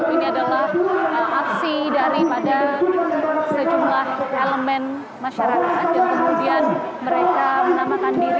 ini adalah aksi daripada sejumlah elemen masyarakat dan kemudian mereka menamakan diri